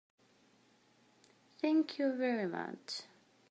Thank you very much.